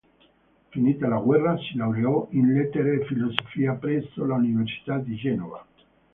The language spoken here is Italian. Finita la guerra si laureò in lettere e filosofia presso l'università di Genova.